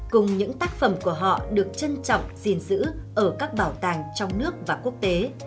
cùng những tác phẩm của họ được trân trọng gìn giữ ở các bảo tàng trong nước và quốc tế